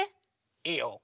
いいよ。